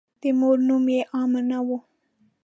د مور نوم یې آمنه وه.